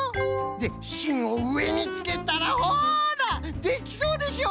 でしんをうえにつけたらほらできそうでしょうが！